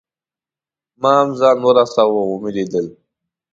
ما هم ځان ورساوه او مې لیده.